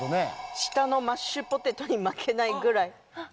下のマッシュポテトに負けないぐらい。